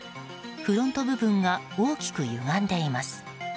フロント部分が大きくゆがんでいます。